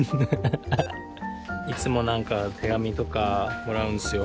いつも何か手紙とかもらうんですよ。